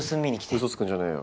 うそつくんじゃねぇよ。